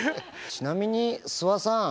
ちなみに諏訪さん